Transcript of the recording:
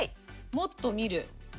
もっと見る。